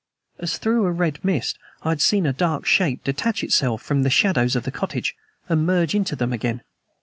As through a red mist I had seen a dark shape detach itself from the shadows of the cottage, and merge into them again.